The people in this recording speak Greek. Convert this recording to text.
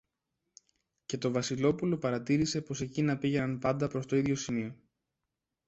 και το Βασιλόπουλο παρατήρησε πως εκείνα πήγαιναν πάντα προς το ίδιο σημείο